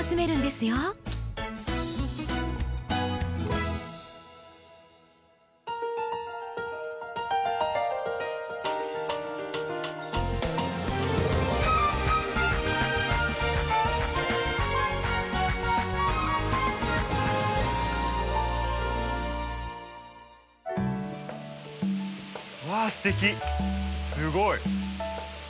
すごい。